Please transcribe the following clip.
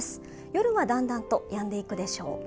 夜はだんだんとやんでいくでしょう。